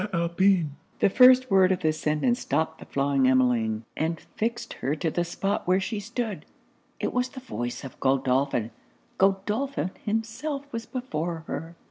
_' The first word of this sentence stopped the flying Emmeline, and fixed her to the spot where she stood. It was the voice of Godolphin Godolphin himself was before her!